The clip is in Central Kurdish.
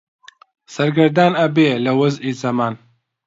سەرگەردان ئەبێ لە وەزعی زەمان